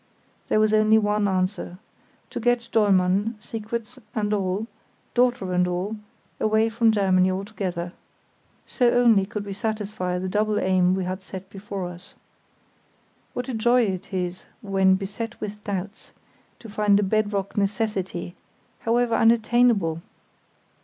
There was only one answer—to get Dollmann, secrets and all, daughter and all, away from Germany altogether. So only could we satisfy the double aim we had set before us. What a joy it is, when beset with doubts, to find a bed rock necessity, however unattainable!